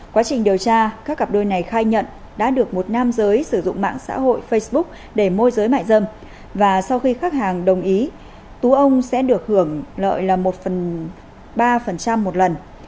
quá trình điều tra các cặp đôi này khai nhận đã được một nam giới sử dụng mạng xã hội facebook để môi giới mại dâm và sau khi khách hàng đồng ý tú ông sẽ được hưởng lợi là một phần ba một lần